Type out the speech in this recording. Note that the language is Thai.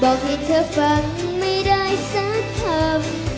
บอกให้เธอฟังไม่ได้สักคำ